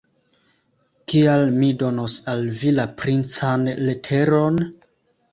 Kial mi donos al vi la princan leteron?